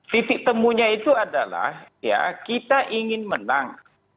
titik temunya itu adalah ya kita ingin menang